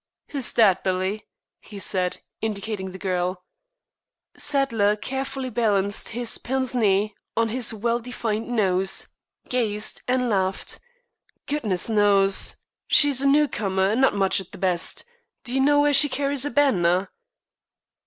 "Who is that, Billy?" he said, indicating the girl. Sadler carefully balanced his pince nez on his well defined nose, gazed, and laughed: "Goodness knows. She's a new comer, and not much at the best. Do you know where she carries a banner?"